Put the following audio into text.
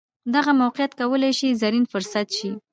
دغه موقیعت کولای شي زرین فرصت شي.